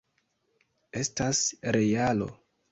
Estas realo.